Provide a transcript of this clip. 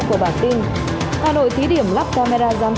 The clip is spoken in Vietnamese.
giá trị của bản tin hà nội thí điểm lắp camera giá trị của bản tin